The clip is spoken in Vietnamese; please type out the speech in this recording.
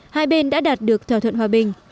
hai bên đã đạt được thỏa thuận hòa bình